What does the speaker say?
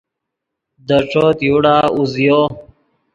دے ݯوت یوڑا اوزیو